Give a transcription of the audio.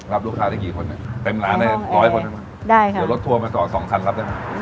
รับลูรุฑค้าจะกี่คนเต็มล้านเนี่ย๑๐๐คนนะได้จิบไหวว่ารถทัวร์มาต่อสองท่านได้ไหม